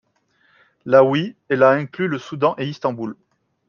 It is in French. La Wii et la inclut le Soudan et Istanbul.